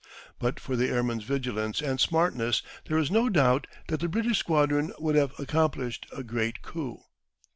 But for the airman's vigilance and smartness there is no doubt that the British squadron would have accomplished a great coup.